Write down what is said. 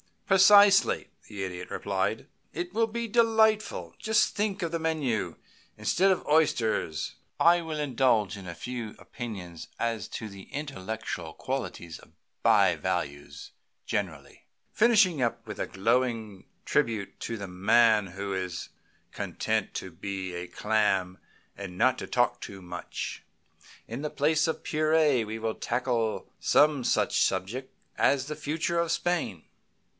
"Precisely," the Idiot replied. "It will be delightful. Just think of the menu! Instead of oysters I will indulge in a few opinions as to the intellectual qualities of bivalves generally, finishing up with a glowing tribute to the man who is content to be a clam and not talk too much. In the place of purée we will tackle some such subject as the future of Spain.